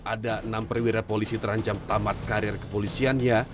ada enam perwira polisi terancam tamat karir kepolisiannya